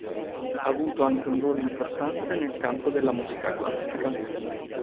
Ha avuto anche un ruolo importante nel campo della musica classica.